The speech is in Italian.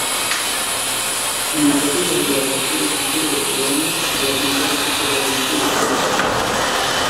L'iniziativa riguarda sia le strutture del governo che le attività di tutte le agenzie governative.